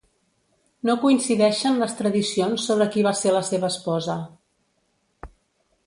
No coincideixen les tradicions sobre qui va ser la seva esposa.